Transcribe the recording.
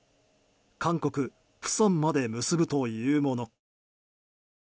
韓国・釜山まで結ぶというもの。